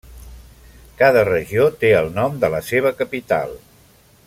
Cada regió té el nom de la seva capital.